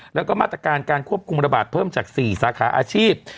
แล้วก็มาตรการการควบคุมระบาดเพิ่มจาก๔สาขาอาชีพ